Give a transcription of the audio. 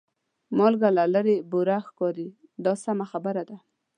مالګه له لرې بوره ښکاري دا سمه خبره ده.